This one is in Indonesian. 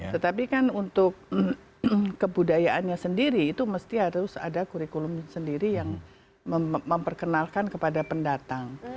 tetapi kan untuk kebudayaannya sendiri itu mesti harus ada kurikulum sendiri yang memperkenalkan kepada pendatang